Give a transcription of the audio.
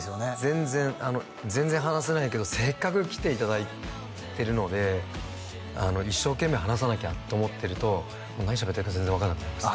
全然全然話せないけどせっかく来ていただいてるので一生懸命話さなきゃと思ってると何しゃべってるか全然分からなくなります